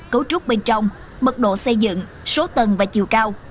cấu trúc bên trong mật độ xây dựng số tầng và chiều cao